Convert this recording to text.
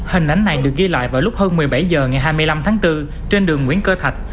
hình ảnh này được ghi lại vào lúc hơn một mươi bảy h ngày hai mươi năm tháng bốn trên đường nguyễn cơ thạch